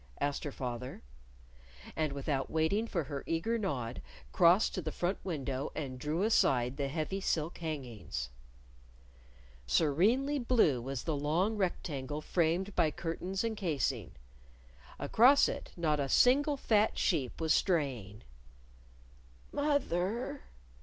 asked her father. And without waiting for her eager nod, crossed to the front window and drew aside the heavy silk hangings. Serenely blue was the long rectangle framed by curtains and casing. Across it not a single fat sheep was straying. "Moth er!"